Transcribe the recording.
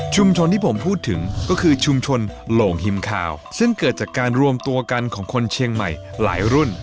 ที่ผมพูดถึงก็คือชุมชนโหลงฮิมคาวซึ่งเกิดจากการรวมตัวกันของคนเชียงใหม่หลายรุ่น